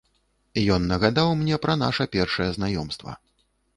Ён нагадаў мне пра наша першае знаёмства.